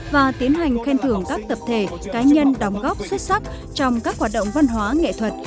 và tiến hành khen thưởng các tập thể cá nhân đóng góp xuất sắc trong các hoạt động văn hóa nghệ thuật